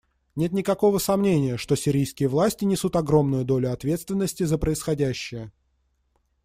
Нет никакого сомнения, что сирийские власти несут огромную долю ответственности за происходящее.